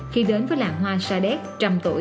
khi đến với lãng hoa xa đét trăm tuổi